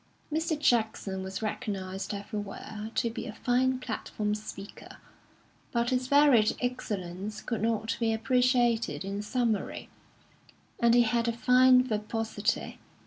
Mr. Jackson was recognised everywhere to be a fine platform speaker, but his varied excellence could not be appreciated in a summary, and he had a fine verbosity.